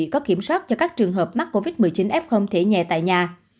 các trường hợp mắc covid một mươi chín f thể nhẹ tại nhà